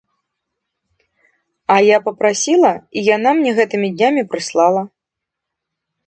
А я папрасіла, і яна мне гэтымі днямі прыслала.